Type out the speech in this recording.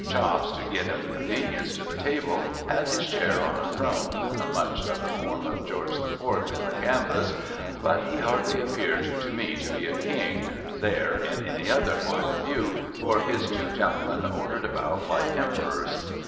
Chops, to git him convenient to the table, had his chair on a throne (much of the form of George the Fourth's in the canvass), but he hardly appeared iQo GOING L\TO SOCIETY to nic to l)c King there in any other pint of view, for his two gentlemen ordered about like Emperors.